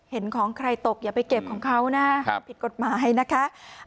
เห็นของใครตกอย่าไปเก็บของเขานะผิดกฎหมายนะคะ